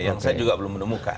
yang saya juga belum menemukan